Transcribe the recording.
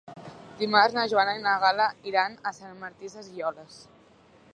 Dimarts na Joana i na Gal·la iran a Sant Martí Sesgueioles.